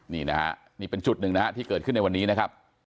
นี่เป็นจุดหนึ่งที่เกิดขึ้นในวันนี้นะครับ